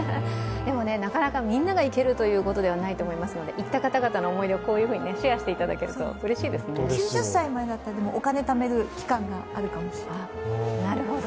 なかなかみんなが行けるということではないと思いますので行った方々の思い出をシェアしていただけると、うれしいですね９０歳だったら、お金ためる期間があるかもしれない。